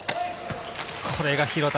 これが廣田。